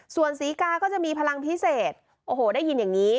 ส่วนศรีกาก็จะมีพลังพิเศษโอ้โหได้ยินอย่างนี้